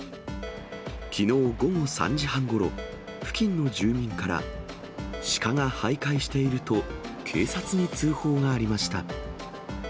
きのう午後３時半ごろ、付近の住民から、シカがはいかいしていると警察に通報がありました。